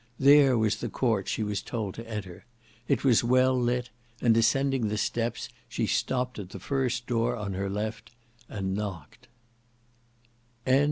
There was the court she was told to enter. It was well lit, and descending the steps she stopped at the first door on her left, and knocked.